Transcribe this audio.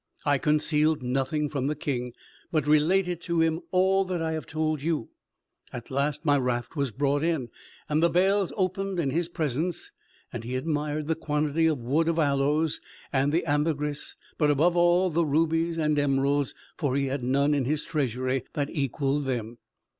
I concealed nothing from the king; but related to him all that I have told you. At last my raft was brought in, and the bales opened in his presence: he admired the quantity of wood of aloes and ambergris; but above all, the rubies and emeralds, for he had none in his treasury that equalled them.